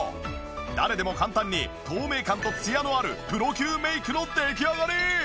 誰でも簡単に透明感とツヤのあるプロ級メイクの出来上がり！